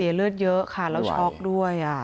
เลือดเยอะค่ะแล้วช็อกด้วย